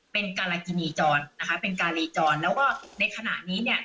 เป็นการากินีจรนะคะเป็นการรีจรแล้วก็ในขณะนี้เนี่ย